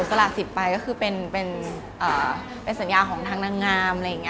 ก็คือเป็นสัญญาของทางดังงาม